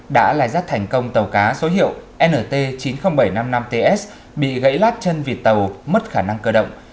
đã lai rắt thành công tàu cá số hiệu nt chín mươi nghìn bảy trăm năm mươi năm ts bị gãy lát chân vịt tàu mất khả năng cơ động